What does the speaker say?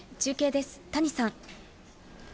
中継です、谷さん。